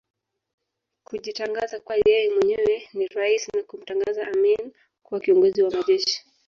kujitangaza kuwa yeye mwenyewe ni raisi na kumtangaza Amin kuwa Kiongozi wa Majeshi